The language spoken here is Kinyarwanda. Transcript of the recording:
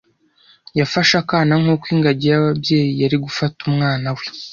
Yafashe akana nkuko ingagi yababyeyi yari gufata umwana we.